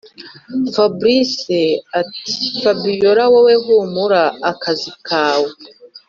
fabric ati”fabiora wowe humura akazi kawe